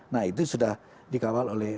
nah itu sudah dikawal oleh